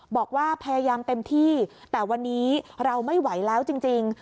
บอกว่าพยายามเต็มที่แต่วันนี้เราไม่ไหวแล้วจริง